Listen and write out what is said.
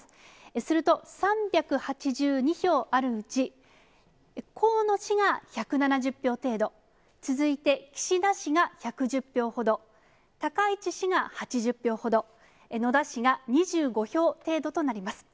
すると、３８２票あるうち、河野氏が１７０票程度、つづいて岸田氏が１１０票ほど、高市氏が８０票ほど、野田氏が２５票程度となります。